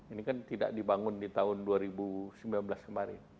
ini kan tidak dibangun di tahun dua ribu sembilan belas kemarin